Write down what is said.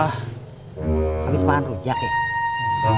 habis makan rujak ya